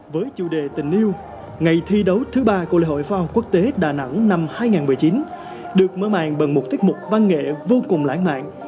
với chủ đề tình yêu ngày thi đấu thứ ba của lễ hội phao quốc tế đà nẵng năm hai nghìn một mươi chín được mở màn bằng một tiết mục văn nghệ vô cùng lãng mạn